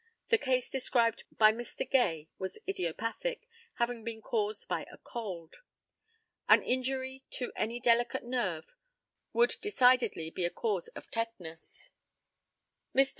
The case described by Mr. Gay was idiopathic, having been caused by a cold. An injury to any delicate nerve would decidedly be a cause of tetanus. Mr.